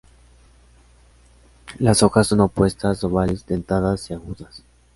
Las hojas son opuestas, ovales, dentadas y agudas.